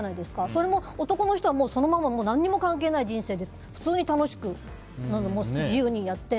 それも男の人はそのまま何も関係ない人生で楽しく自由にやって。